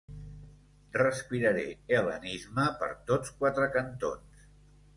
Respiraré hel·lenisme per tots quatre cantons.